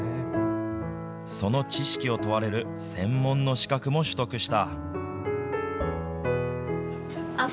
その知識を問われる専門の資格も取得した。